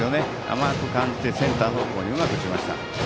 甘く感じて、センター方向にうまく打ちました。